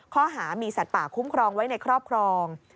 ข้อหามีสัตว์ป่าคุ้มครองไว้ในครอบครอง